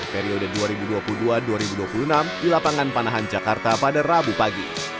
periode dua ribu dua puluh dua dua ribu dua puluh enam di lapangan panahan jakarta pada rabu pagi